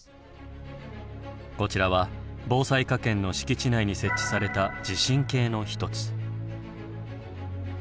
こちらは防災科研の敷地内に設置された地震計の一つ。